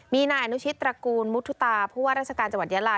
มีนายอนุชิตตระกูลมุทุตาผู้ว่าราชการจังหวัดยาลา